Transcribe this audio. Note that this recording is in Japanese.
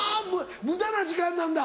無駄な時間なんだ。